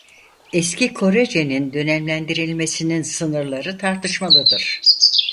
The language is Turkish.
Eski Korecenin dönemlendirmesinin sınırları tartışmalıdır.